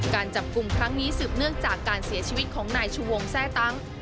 การจับกลุ่มครั้งนี้สืบเนื่องจากการเสียชีวิตของนายชูวงแทร่ตั้ง